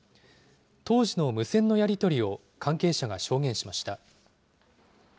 当時の無線のやり取りを関係者が証言しました。